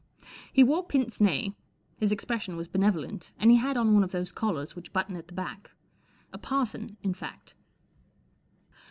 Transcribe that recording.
He wore pince nez, his expression was benevolent, and he had on one of those collars which button at the back. A parson, in fact.